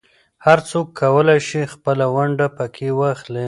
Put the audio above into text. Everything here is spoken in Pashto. هر څوک کولای شي خپله ونډه پکې واخلي.